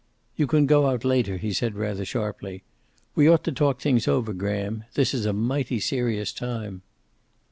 "You can go out later," he said rather sharply. "We ought to talk things over, Graham. This is a mighty serious time."